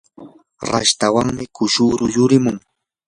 rashtawanmi kushuru yurimun.